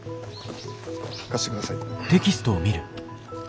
貸してください。